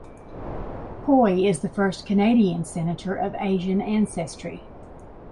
Poy is the first Canadian senator of Asian ancestry.